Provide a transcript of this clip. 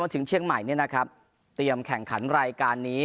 ถึงเชียงใหม่เตรียมแข่งขันรายการนี้